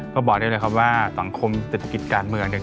ก็บอกได้เลยว่าสังคมเศรษฐกิจการเมือง